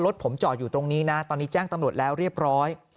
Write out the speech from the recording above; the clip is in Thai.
รถผมจอดอยู่ตรงนี้นะตอนนี้แจ้งตำรวจแล้วเรียบร้อย